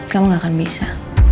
kamu gak akan bisa